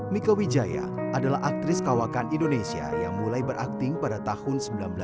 mika wijaya adalah aktris kawakan indonesia yang mulai berakting pada tahun seribu sembilan ratus sembilan puluh